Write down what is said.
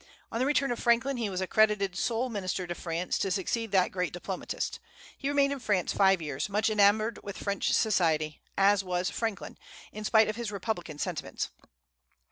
On the return of Franklin he was accredited sole minister to France, to succeed that great diplomatist. He remained in France five years, much enamoured with French society, as was Franklin, in spite of his republican sentiments.